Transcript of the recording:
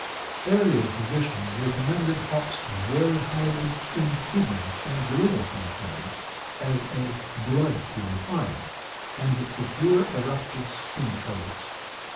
Earlier physicians recommended hops very highly in kidney and liver complaints, as a "blood purifier" and to cure eruptive skin troubles.